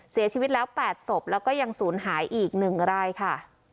เสียชีวิตแล้ว๘ศพแล้วก็ยังศูนย์หายอีก๑รายค่ะ